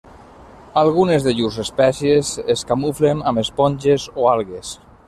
Algunes de llurs espècies es camuflen amb esponges o algues.